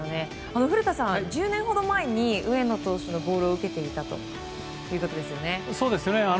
古田さん、１０年ほど前に上野投手のボールを受けていたということですよね。